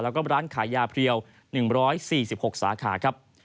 แล้วก็ร้านขายยาเพรียว๑๔๖สาขาครับ